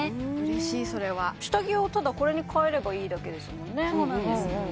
嬉しいそれは下着をただこれに替えればいいだけですもんねそうなんです